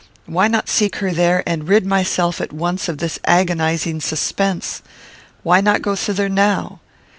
Why not seek her there, and rid myself at once of this agonizing suspense? Why not go thither now?